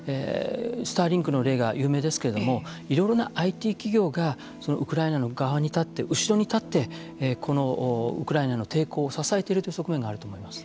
スターリンクの例が有名ですけれども、いろいろなＩＴ企業がウクライナの側に立って後ろに立って、このウクライナの抵抗を支えているという側面があると思います。